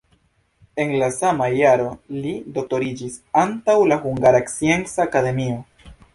En la sama jaro li doktoriĝis antaŭ la Hungara Scienca Akademio.